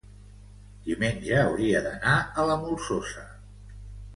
diumenge hauria d'anar a la Molsosa.